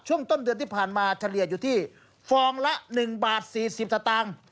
ช่วงต้นเดือนที่ผ่านมาเฉลี่ยอยู่ที่ฟองละ๑บาท๔๐สตางค์